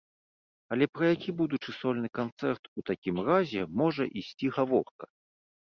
Але пра які будучы сольны канцэрт у такім разе можа ісці гаворка?